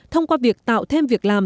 thông qua việc tạo thêm việc làm